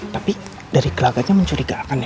tapi dari gelagatnya mencurigakan ya